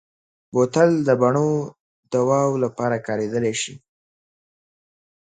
بوتل د بڼو دواوو لپاره کارېدلی شي.